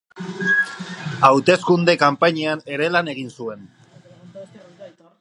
Hauteskunde kanpainian ere lan egin zuen.